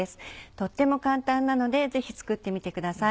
とっても簡単なのでぜひ作ってみてください。